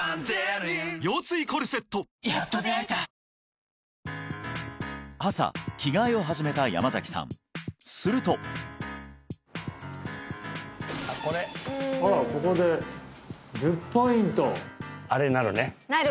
危ない朝着替えを始めた山崎さんするとあらここで１０ポイントあれなるねなる